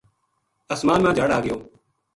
آسمان ما جھڑ آگیو